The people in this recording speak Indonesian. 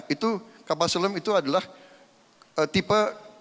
itu kapal selem itu adalah tipe dua ratus sembilan